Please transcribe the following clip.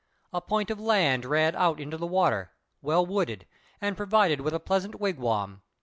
A point of land ran out into the water, well wooded and provided with a pleasant wigwam.